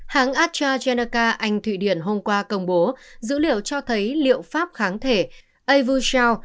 hãng astrazeneca anh thụy điển hôm qua công bố dữ liệu cho thấy liệu pháp kháng thể avosal